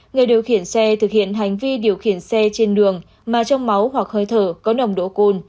người điều khiển xe thực hiện hành vi điều khiển xe trên đường mà trong máu hoặc hơi thở có nồng độ cồn